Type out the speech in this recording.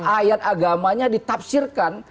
ayat agamanya ditafsirkan